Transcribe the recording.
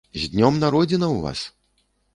З днём народзінаў, вас!